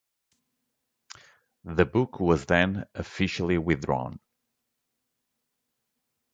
The book was then officially withdrawn.